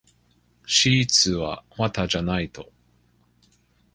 シーツは綿じゃないと。